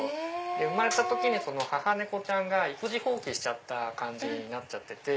生まれた時に母猫ちゃんが育児放棄しちゃった感じになっちゃってて。